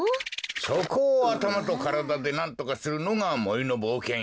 そこをあたまとからだでなんとかするのがもりのぼうけんよ。